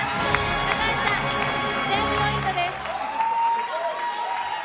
高橋さん、１０００ポイントです。